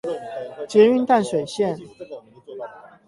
捷運淡水線